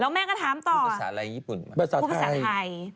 แม่ก็ถามต่อภาษาอะไรญี่ปุ่นไหมภาษาไทย